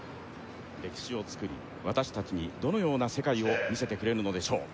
歴史をつくり私達にどのような世界を見せてくれるのでしょう？